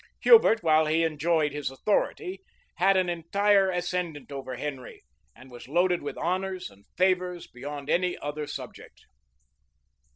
Hubert, while he enjoyed his authority, had an entire ascendant over Henry, and was loaded with honors and favors beyond any other subject.